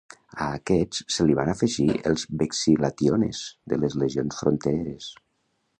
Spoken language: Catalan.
A aquests se li van afegir els vexillationes de les legions frontereres.